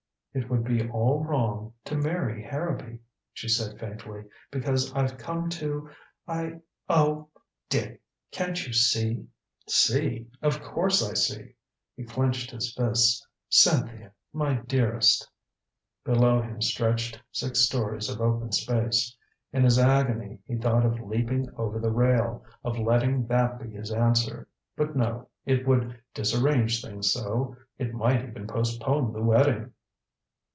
"It would be all wrong to marry Harrowby," she said faintly. "Because I've come to I oh, Dick, can't you see?" "See! Of course I see!" He clenched his fists. "Cynthia, my dearest " Below him stretched six stories of open space. In his agony he thought of leaping over the rail of letting that be his answer. But no it would disarrange things so it might even postpone the wedding!